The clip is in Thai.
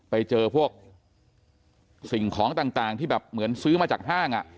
ไปเจอพวกสิ่งของต่างที่แบบเหมือนซื้อมาจากห้าง